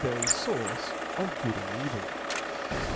5. very fource of good and evil.